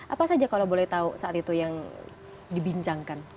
apa saja kalau boleh tahu saat itu yang dibincangkan